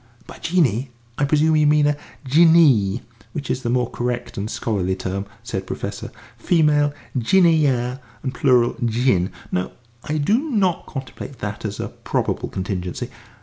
"By genie, I presume you mean a Jinnee, which is the more correct and scholarly term," said the Professor. "Female, Jinneeyeh, and plural Jinn. No, I do not contemplate that as a probable contingency.